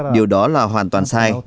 điều đó là hoàn toàn sai